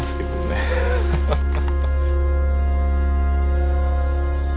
ハハハハ！